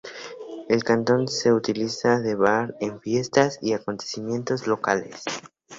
El Cantón se utiliza de bar en fiestas y acontecimientos locales.